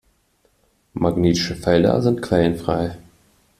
Magnetische Felder sind quellenfrei.